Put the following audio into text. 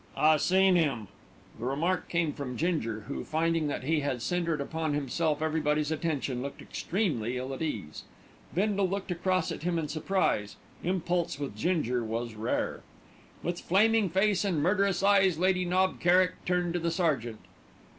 "I seen 'im!" The remark came from Ginger, who, finding that he had centred upon himself everybody's attention, looked extremly ill at ease. Bindle looked across at him in surprise. Impulse with Ginger was rare. With flaming face and murderous eyes Lady Knob Kerrick turned to the sergeant.